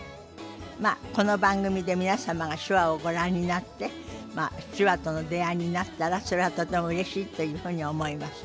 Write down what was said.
まあこの番組で皆様が手話をご覧になって手話との出会いになったらそれはとてもうれしいというふうに思います。